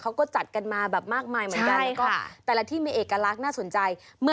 เขาก็จัดกันมาแบบมากมายเหมือนกันแล้วก็แต่ละที่มีเอกลักษณ์น่าสนใจ